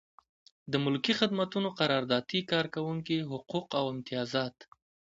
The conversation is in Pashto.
د ملکي خدمتونو قراردادي کارکوونکي حقوق او امتیازات.